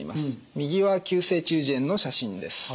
右は急性中耳炎の写真です。